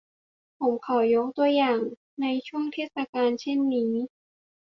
ผมขอยกตัวอย่างในช่วงเทศกาลเช่นนี้